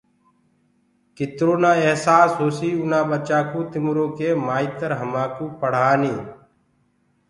ڪترو نآ اهسآس هوسيٚ اُنآ ٻچآنٚڪو تِمرو ڪي مآئترهمآئون پڙهآني